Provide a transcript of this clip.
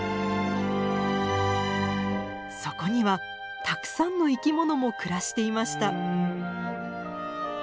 そこにはたくさんの生きものも暮らしていました。